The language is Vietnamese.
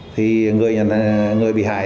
thì người bị hại